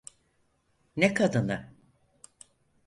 Ne kadını?